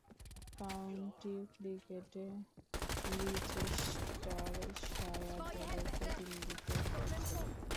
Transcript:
County ক্রিকেটে Leicestershire দলের প্রতিনিধিত্ব করছেন।